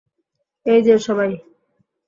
এই যে, সবাই!